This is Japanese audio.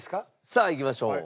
さあいきましょう。